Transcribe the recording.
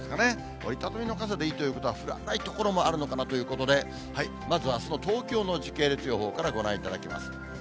折り畳みの傘でいいということは、降らない所もあるのかなということで、まずはあすの東京の時系列予報からご覧いただきます。